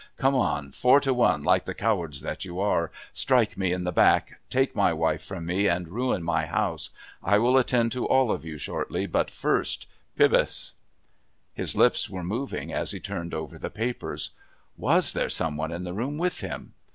Come on four to one like the cowards that you are, strike me in the back, take my wife from me, and ruin my house. I will attend to all of you shortly, but first Pybus." His lips were moving as he turned over the papers. Was there some one in the room with him?